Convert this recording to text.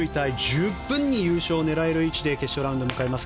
十分に優勝を狙える位置で決勝ラウンドを迎えます。